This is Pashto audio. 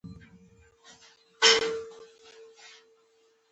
افغانستان کې د کلتور د ودې لپاره پوره دپرمختیا پروګرامونه شته دي.